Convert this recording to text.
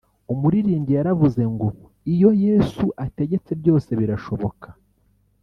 umuririmbyi yaravuze ngo iyo Yesu ategetse byose birashoboka